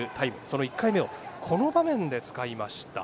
その１回目をこの場面で使いました。